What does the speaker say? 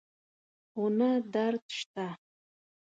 خو نه درد شته